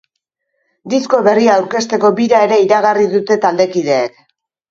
Disko berria aurkezteko bira ere iragarri dute taldekideek.